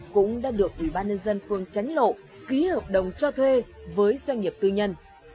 cũng đã được ủy ban nhân dân phường tránh lộ ký hợp đồng cho thuê với doanh nghiệp tư nhân